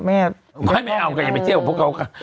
แม่เอากันอย่าไปเจ้าพวกเขากัน